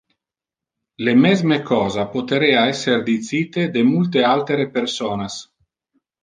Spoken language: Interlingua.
Le mesme cosa poterea esser dicite de multe altere personas.